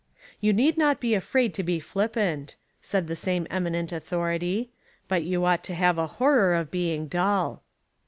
"You need not be afraid to be flippant," said the same eminent authority, "but you ought to have a horror of being dull."